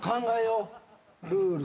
ルール。